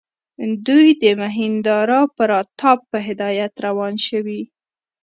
دوی د مهیندراپراتاپ په هدایت روان شوي.